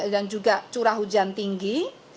dan juga curah hujan tinggi